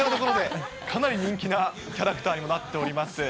かなり人気なキャラクターにもなっております。